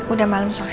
udah malam soalnya